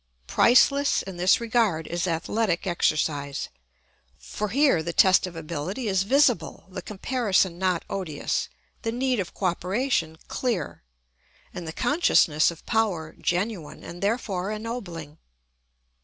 Priceless in this regard is athletic exercise; for here the test of ability is visible, the comparison not odious, the need of co operation clear, and the consciousness of power genuine and therefore ennobling.